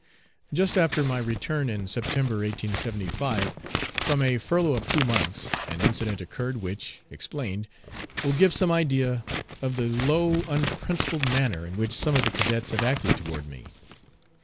Just after my return, in September, 1875, from a furlough of two months, an incident occurred which, explained, will give some idea of the low, unprincipled manner in which some of the cadets have acted toward me.